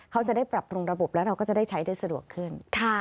เขาจะได้ปรับปรุงระบบแล้วเราก็จะได้ใช้ได้สะดวกขึ้น